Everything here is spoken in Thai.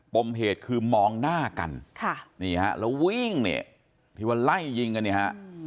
มเหตุคือมองหน้ากันค่ะนี่ฮะแล้ววิ่งเนี่ยที่ว่าไล่ยิงกันเนี่ยฮะ